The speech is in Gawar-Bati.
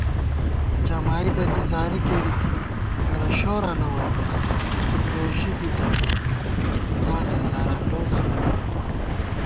جمائید دی زاری کېری تھی، کرہ شوراں نہ ووئیمېت * لوشی دِتہ تُو تاسہ یاران لوزاں نہ ووئیمېت